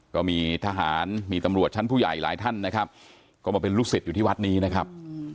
ก็มีทหารมีตำรวจชั้นผู้ใหญ่หลายท่านนะครับก็มาเป็นลูกศิษย์อยู่ที่วัดนี้นะครับ